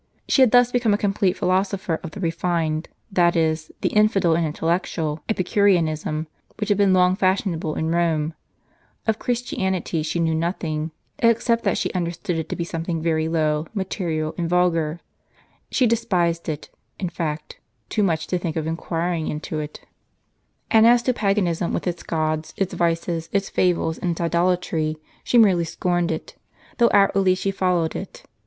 She had thus become a complete philosopher of the refined, that is, the infidel and intellectual, epicureanism, which had been long fashionable in Kome. Of Christianity she knew nothing, except that she * The milk of 500 asses per day was required to furnish Poppaea, Nero's wife, with one cosmetic. understood it to be something very low, material, and vulgar. She despised it, in fact, too much to think of inquiring into it. And as to paganism, with its gods, its vices, its fables, and its idolatry, she merely scorned it, though outwardly she followed it.